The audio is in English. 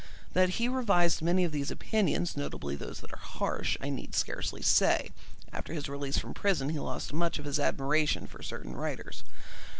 That he revised many of these opinions, notably those that are harsh, I need scarcely say; and after his release from prison he lost much of his admiration for certain writers.